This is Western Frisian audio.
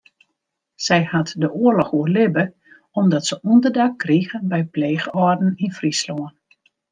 Sy hat de oarloch oerlibbe omdat se ûnderdak krige by pleechâlden yn Fryslân.